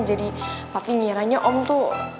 jadi papi ngiranya om tuh